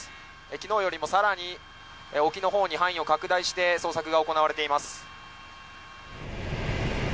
昨日よりも更に沖の方に範囲を拡大して捜索が行われています。